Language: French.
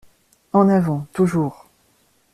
En avant toujours